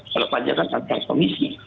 kalau panja kan cantang komisi